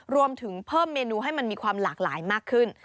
รวมถึงเพิ่มเมนูให้มันมีความหลากหลายมากขึ้น